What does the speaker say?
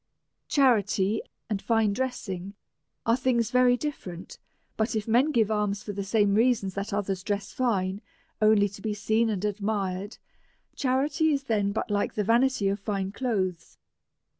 Charity and fine dressing are things very different; but if men give alms for the sam.e reasons that others dress fine. DEVOUT AND HOLY LIFE. 39 only to be seen and admired, charity is then but like the vanity of fine clothes.